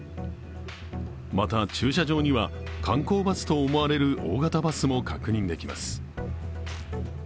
また、駐車場には観光バスと思われる大型バスも確認できます。